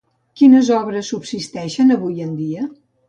Quines obres subsisteixen avui en dia?